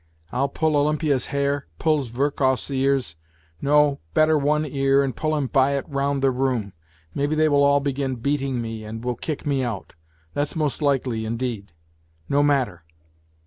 I'll pull Olympia's hair, pull Zverkov's ears ! No, better one ear, and pull him by it round the room. Maybe they will all begin beating me and will kick me out. That's most likely, indeed. No matter!